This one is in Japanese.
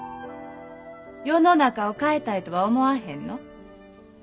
世の中を変えたいとは思わへんの？